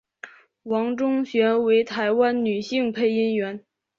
王中璇为台湾女性配音员。